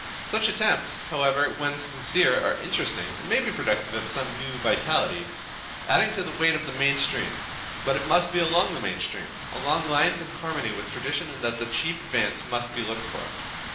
Such attempts however when sincere are interesting and may be productive of some new vitality, adding to the weight of the main stream. But it must be along the main stream, along lines in harmony with tradition that the chief advance must be looked for.